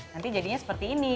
nanti jadinya seperti ini